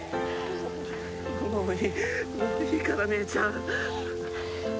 もういいもういいから姉ちゃん。